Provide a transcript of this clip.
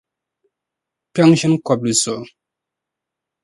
Kpiɔŋ ʒini kɔbili zuɣu.